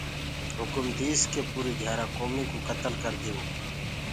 هُڪم ديس ڪي پوريٚ گھِيآرآ ڪوميٚ ڪو ڪتلَ ڪرَديئو پڇي